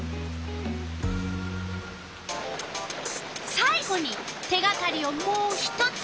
さい後に手がかりをもう一つ。